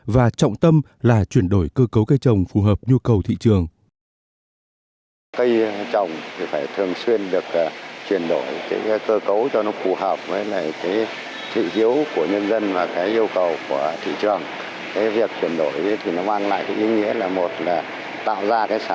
và trọng tâm là chuyển đổi cơ cấu cây trồng phù hợp nhu cầu thị trường